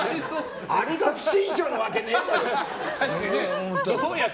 あれが不審者のわけねえだろって。